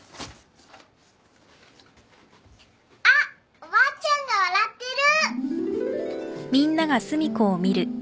あっおばあちゃんが笑ってる。